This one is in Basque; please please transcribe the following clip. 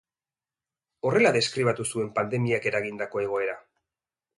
Horrela deskribatu zuen pandemiak eragindako egoera.